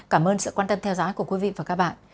cảm ơn sự quan tâm theo dõi của quý vị và các bạn